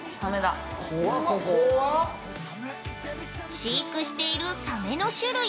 ◆飼育しているサメの種類